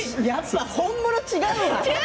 本物は違うわ。